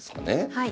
はい。